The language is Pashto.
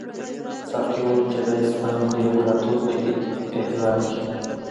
ساقي وویل کیدای شي په همدې بوډاتوب کې دې احضار کړي.